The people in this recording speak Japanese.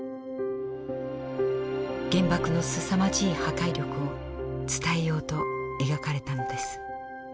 原爆のすさまじい破壊力を伝えようと描かれたのです。